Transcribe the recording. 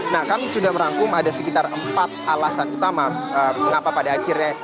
nah kami sudah merangkum ada sekitar empat alasan utama mengapa pada akhirnya